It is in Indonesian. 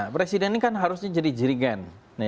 presiden ini kan harusnya jadi jirigen